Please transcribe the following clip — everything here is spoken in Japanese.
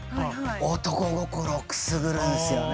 男心をくすぐるんすよね。